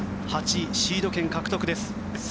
８位、シード権獲得です。